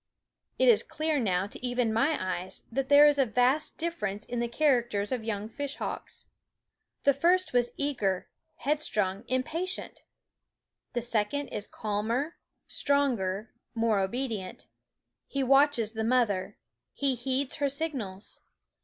It is clear now to even my eyes that there is a vast difference in the characters of young fishhawks. The first was eager, headstrong, impatient; the second is calmer, stronger, more obedient. He watches the mother; he heeds her signals.